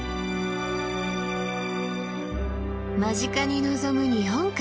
間近に望む日本海。